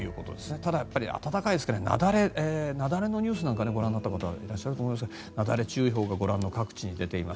ただ、暖かいですから雪崩のニュースなんかをご覧になった方いらっしゃると思いますが雪崩注意報が各地に出ています。